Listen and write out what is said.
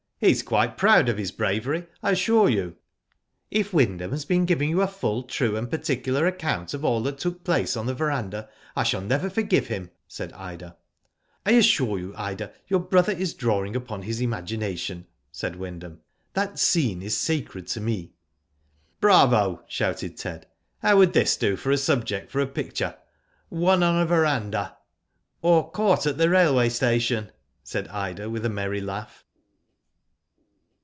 '* He's quite proud of his bravery, I assure you." If Wyndham has been giving you a full, true, and particular account of all that took place on the verandah, I shall never forgive him," said Ida. I assure you, Ida, your brother is drawing upon his imagination," said Wyndham. "That scene is sacred to me." *' Bravo !" shouted Ted. " How would this do for a subject for a picture, ' Won on a verandah.' "*' Or, ' Caught at the railway station,' " said Ida, with a merry laugh.